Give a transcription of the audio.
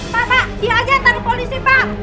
pak pak dia aja yang taruh polisi pak